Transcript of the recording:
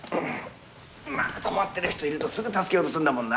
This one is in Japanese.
まあ困ってる人いるとすぐ助けようとするんだもんな。